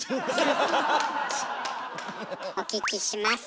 お聞きします。